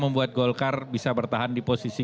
membuat golkar bisa bertahan di posisi